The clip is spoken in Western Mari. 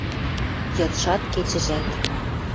Йыдшат, кечӹжӓт.